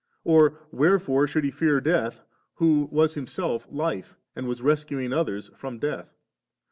or wherefore should He fear death, who was Himself Life, and was rescuing others from death